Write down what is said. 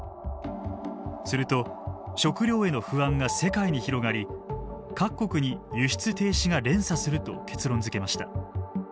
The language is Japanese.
すると食料への不安が世界に広がり各国に輸出停止が連鎖すると結論づけました。